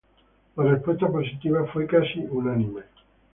La respuesta positiva fue casi unánime.